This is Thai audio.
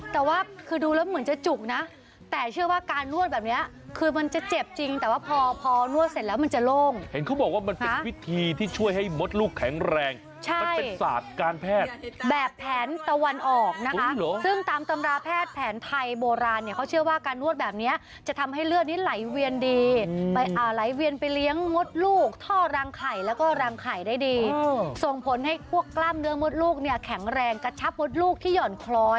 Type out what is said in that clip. แต่ว่าคือดูแล้วเหมือนจะจุกนะแต่เชื่อว่าการนวดแบบเนี้ยคือมันจะเจ็บจริงแต่ว่าพอพอนวดเสร็จแล้วมันจะโล่งเห็นเขาบอกว่ามันเป็นวิธีที่ช่วยให้มดลูกแข็งแรงใช่มันเป็นศาสตร์การแพทย์แบบแผนตะวันออกนะคะซึ่งตามตำราแพทย์แผนไทยโบราณเนี้ยเขาเชื่อว่าการนวดแบบเนี้ยจะทำให้เลือดน